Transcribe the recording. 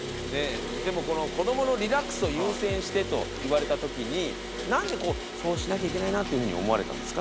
でもこの子どものリラックスを優先してと言われた時になんでそうしなきゃいけないなというふうに思われたんですか？